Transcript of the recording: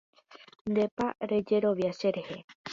Ndépa rejerovia cherehe.